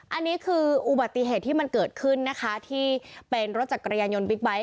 อันนี้คืออุบัติเหตุที่มันเกิดขึ้นนะคะที่เป็นรถจักรยานยนต์บิ๊กไบท์